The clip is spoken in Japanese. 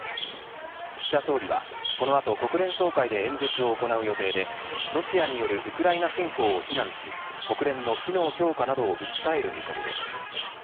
岸田総理はこの後国連総会で演説を行う予定でロシアによるウクライナ侵攻を非難し国連の機能強化などを訴える見込みです。